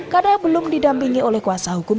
karena belum didampingi kuasa hukum